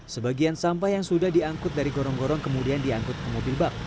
sebagian sampah yang sudah diangkut dari gorong gorong kemudian diangkut ke mobil bak